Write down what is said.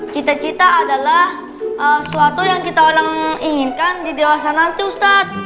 cita cita adalah sesuatu yang kita orang inginkan di dewasa nanti ustadz